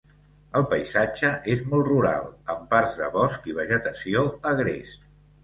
El paisatge és molt rural amb parts de bosc i vegetació agrest.